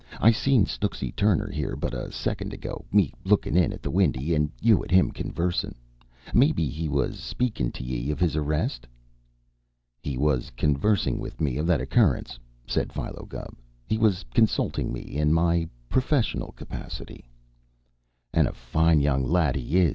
I seen Snooksy Tur rner here but a sicond ago, me lookin' in at the windy, an' you an' him conversin'. Mayhap he was speakin' t' ye iv his arrist?" "He was conversing with me of that occurrence," said Philo Gubb. "He was consulting me in my professional capacity." "An' a fine young lad he is!"